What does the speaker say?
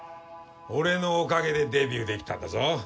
俺のおかげでデビューできたんだぞ。